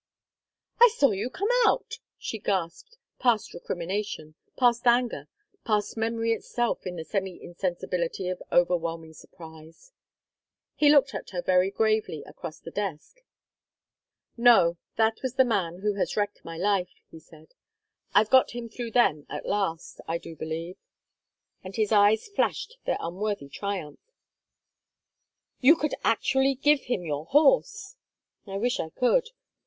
"I saw you come out!" she gasped, past recrimination, past anger, past memory itself in the semi insensibility of over whelming surprise. He looked at her very gravely across the desk. "No, that was the man who has wrecked my life," he said. "I've got him through them at last, I do believe." And his eyes flashed their unworthy triumph. "You could actually give him your horse!" "I wish I could.